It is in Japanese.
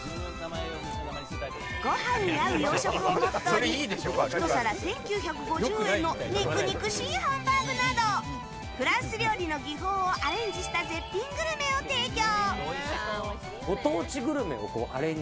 ご飯に合う洋食をモットーに１皿１９５０円の肉々しいハンバーグなどフランス料理の技法をアレンジした絶品グルメを提供。